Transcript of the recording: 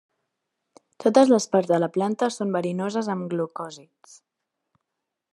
Totes les parts de la planta són verinoses amb glucòsids.